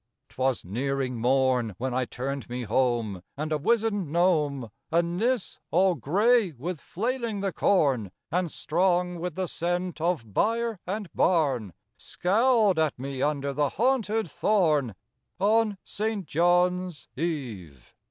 'Twas nearing morn When I turned me home; and a wizen'd gnome, A Nis, all gray with flailing the corn, And strong with the scent of byre and barn, Scowled at me under the haunted thorn, On St. John's Eve.